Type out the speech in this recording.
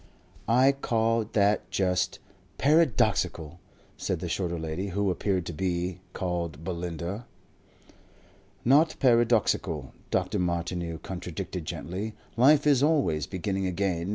"I call that just paradoxical," said the shorter lady, who appeared to be called Belinda. "Not paradoxical," Dr. Martineau contradicted gently. "Life is always beginning again.